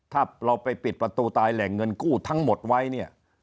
ถ้าเราไปปิดประตูตายแหล่งเงินกู้ทั้งหมดไว้เนี่ย